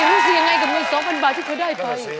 รู้สึกยังไงกับเงิน๒๐๐บาทที่เขาได้ไป